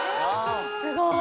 ◆すごい。